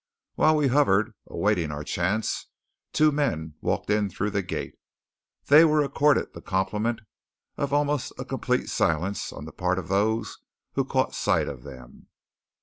While we hovered, awaiting our chance, two men walked in through the gate. They were accorded the compliment of almost a complete silence on the part of those who caught sight of them.